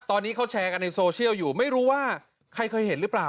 ตอนนี้เขาแชร์กันในโซเชียลอยู่ไม่รู้ว่าใครเคยเห็นหรือเปล่า